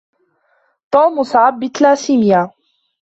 توم مصاب بالثلاسيميا.